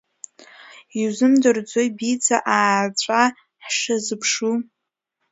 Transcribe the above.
Иузымдырӡози, Биӡа, ааҵәа ҳшазыԥшу!